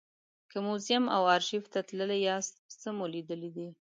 که موزیم او ارشیف ته تللي یاست څه مو لیدلي دي.